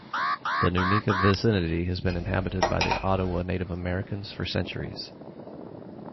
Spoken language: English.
The Nunica vicinity has been inhabited by the Ottawa Native Americans for centuries.